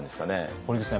堀口さん